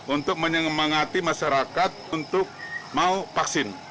untuk menyemangati masyarakat untuk mau vaksin